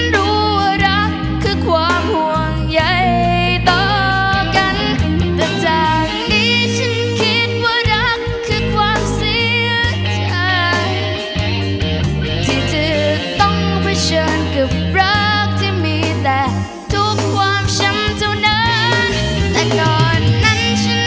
และตอนนี้ฉันรู้ว่ารักคือความห่วงใหญ่ต่อกัน